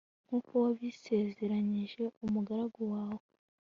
nk'uko wabisezeranije umugaragu wawe